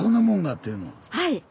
はい。